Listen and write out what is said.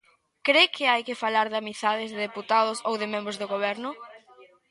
¿Cre que hai que falar de amizades de deputados ou de membros do Goberno?